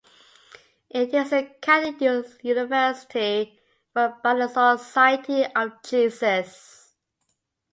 It is a Catholic university run by the Society of Jesus.